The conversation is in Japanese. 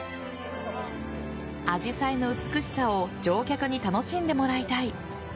アジサイの美しさを乗客に楽しんでもらいたい。